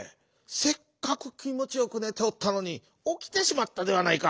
せっかくきもちよくねておったのにおきてしまったではないか。